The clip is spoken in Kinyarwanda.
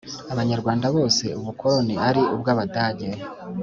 Abanyarwanda byose Ubukoroni ari ubw Abadage